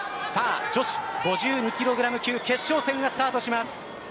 女子５２キログラム級決勝戦がスタートします。